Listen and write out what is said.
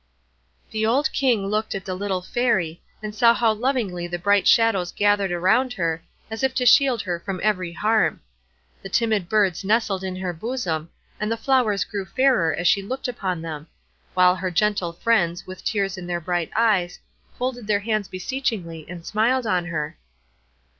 The old King looked at the little Fairy, and saw how lovingly the bright shadows gathered round her, as if to shield her from every harm; the timid birds nestled in her bosom, and the flowers grew fairer as she looked upon them; while her gentle friends, with tears in their bright eyes, folded their hands beseechingly, and smiled on her.